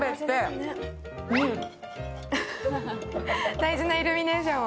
大事なイルミネーションを。